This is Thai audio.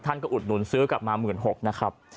ท่านอุดหนุนซื้อกลับมา๑๖๐๐๐บาท